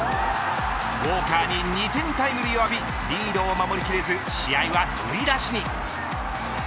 ウォーカーに２点タイムリーを浴びリードを守りきれず試合は振り出しに。